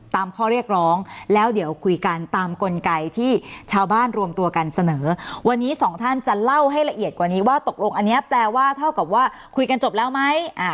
ข้อเรียกร้องแล้วเดี๋ยวคุยกันตามกลไกที่ชาวบ้านรวมตัวกันเสนอวันนี้สองท่านจะเล่าให้ละเอียดกว่านี้ว่าตกลงอันนี้แปลว่าเท่ากับว่าคุยกันจบแล้วไหม